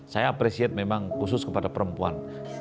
saya appreciate memang khusus kepada perempuan